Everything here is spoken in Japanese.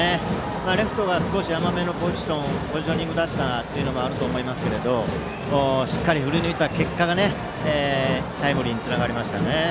レフトが少し甘めのポジショニングだったのもありますがしっかり振り抜いた結果がタイムリーにつながりました。